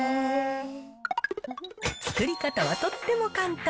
作り方はとっても簡単。